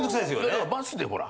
だからバスでほら。